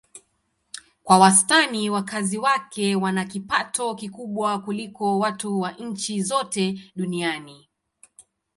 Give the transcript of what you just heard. Kwa wastani wakazi wake wana kipato kikubwa kuliko watu wa nchi zote duniani.